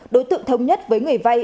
đối tượng thống nhất với người vay